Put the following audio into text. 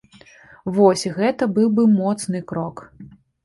Вось, гэта быў бы моцны крок!